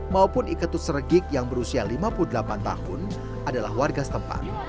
maupun iketus regik yang berusia lima puluh delapan tahun adalah warga setempat